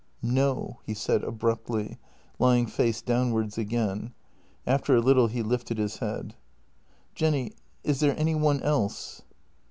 " No," he said abruptly, lying face downwards again. After a little he lifted his head: " Jenny, is there any one else?